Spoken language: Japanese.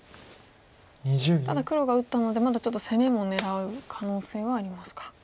ただ黒が打ったのでまだちょっと攻めも狙う可能性はありますか。